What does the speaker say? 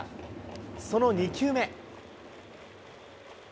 その２球目。